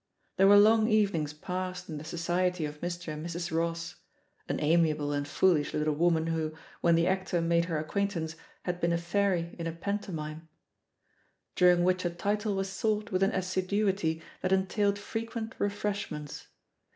There were long evenings passed in the society of Mr. and Mrs. Ross — an amiable and foolish little woman who, when the actor made her ac quaintance, had been a fairy in a pantomime — during which a title was sought with an assiduity ITHE POSITION OF PEGGY HARPER 1S6 tha? entailed frequent refreshments.